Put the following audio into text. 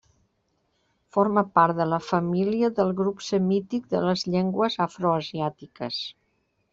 Forma part de la família del grup semític de les llengües afroasiàtiques.